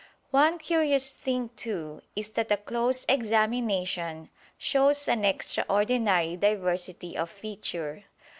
One curious thing, too, is that a close examination shows an extraordinary diversity of feature.